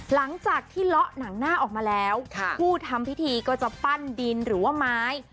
หลังจากที่เลาะหนังหน้าออกมาแล้วผู้ทำพิธีก็จะปั้นดินหรือว่าไม้